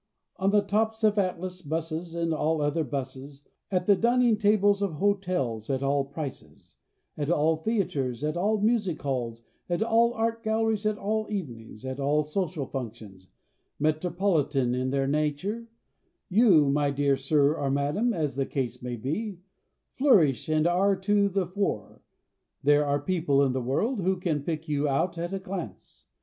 On the tops of Atlas 'buses, and all other 'buses, At the dining tables of hotels at all prices, At all theatres, At all music halls, At all art galleries, At all "evenings," At all social functions Metropolitan in their nature You, my dear Sir or Madam (As the case may be), Flourish and are to the fore, There are people in the world Who can pick you out at a glance.